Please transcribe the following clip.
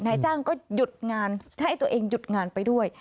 นายจ้างก็หยุดงานให้ตัวเองหยุดงานไปด้วย